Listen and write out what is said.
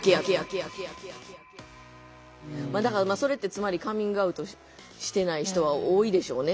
だからそれってつまりカミングアウトしてない人は多いでしょうね。